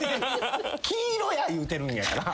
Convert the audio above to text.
黄色や言うてるんやから。